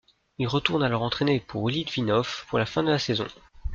Il retourne alors entraîner pour Litvínov pour la fin de la saison.